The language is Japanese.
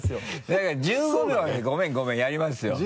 だから１５秒でごめんごめんやりますよ。